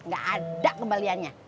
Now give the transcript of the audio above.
gak ada kembaliannya